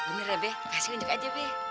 bener ya be kasih unjuk aja be